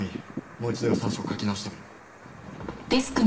もう一度予算書を書き直してみる。